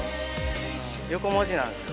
横文字なんですよ。